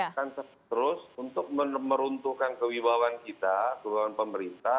akan terus untuk meruntuhkan kewibawan kita kewibawan pemerintah